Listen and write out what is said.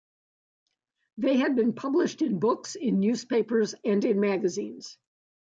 They had been published in books, in newspapers and in magazines.